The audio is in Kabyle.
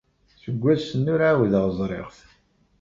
Seg wass-nni ur ɛawdeɣ ad t-ẓreɣ.